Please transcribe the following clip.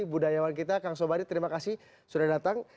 budayawan kita kang sobari terima kasih sudah datang